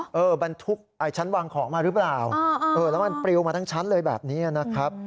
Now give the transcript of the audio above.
เออบรรทุกชั้นวางของมาหรือเปล่าเออแล้วมันปลิวมาทั้งชั้นเลยแบบนี้นะครับ